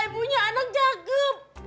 ayu punya anak cakep